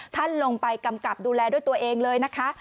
ท่านลงไปกำกับดูแลด้วยตัวเองเลยนะคะ